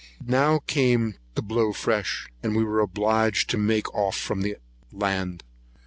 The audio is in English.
It now came on to blow fresh, and we were obliged to make off from the land.